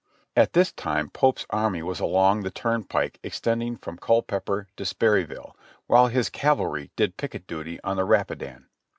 At this time Pope's army was along the turnpike extending from Culpeper to Sperry ville, while his cavalry did picket duty on the Rapidan.